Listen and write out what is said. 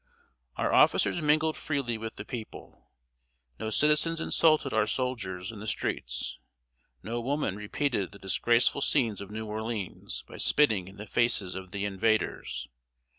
] Our officers mingled freely with the people. No citizens insulted our soldiers in the streets; no woman repeated the disgraceful scenes of New Orleans by spitting in the faces of the "invaders."